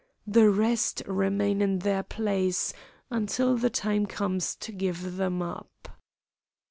"The rest remain in their place until the time comes to give them up."